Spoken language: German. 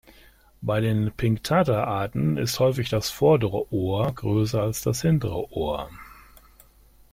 Bei den "Pinctada"-Arten ist häufig das vordere "Ohr" größer als das hintere "Ohr".